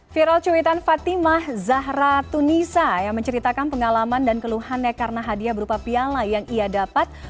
viral cuitan fatimah zahra tunisa yang menceritakan pengalaman dan keluhannya karena hadiah berupa piala yang ia dapat